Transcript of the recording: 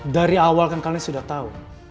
dari awal kan kalian sudah tahu